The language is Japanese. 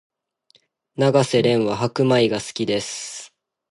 永瀬廉は白米が好きです